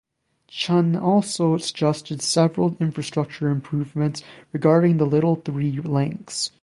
Chen also suggested several infrastructure improvements regarding the little three links.